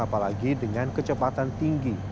apalagi dengan kecepatan tinggi